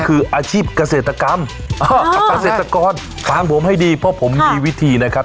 คืออาชีพเกษตรกรรมเกษตรกรฟังผมให้ดีเพราะผมมีวิธีนะครับ